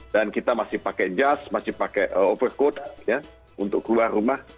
dan kita masih pakai jas masih pakai overcoat ya untuk keluar rumah